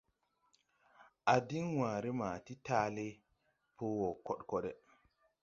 A diŋ wããre ma ti taale po wɔ kod kode.